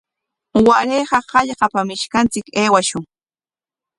Warayqa hallqapam ishkanchik aywashun.